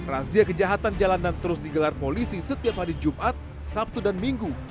razia kejahatan jalanan terus digelar polisi setiap hari jumat sabtu dan minggu